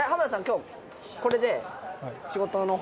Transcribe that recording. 今日これで。